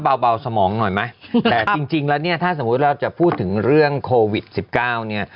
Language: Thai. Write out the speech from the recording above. เบาสมองหน่อยไหมแต่จริงแล้วเนี่ยถ้าสมมุติเราจะพูดถึงเรื่องโควิดสิบเก้าเนี่ย